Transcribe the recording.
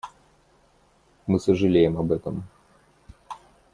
Мы сожалеем об этом.